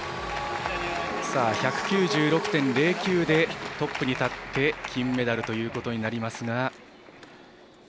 １９６．０９でトップに立って金メダルということになりますが。